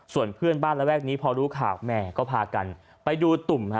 ส่วนเพื่อนบ้านระแวกนี้พอรู้ข่าวแม่ก็พากันไปดูตุ่มฮะ